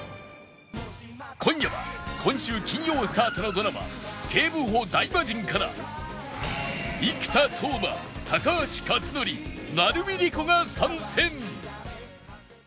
今夜は今週金曜スタートのドラマ『警部補ダイマジン』から生田斗真高橋克典成海璃子が参戦！